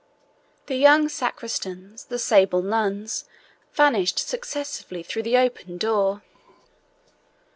The young sacristans, the sable nuns, vanished successively through the open door.